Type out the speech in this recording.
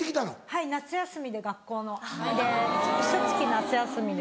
はい夏休みで学校の。でひと月夏休みで。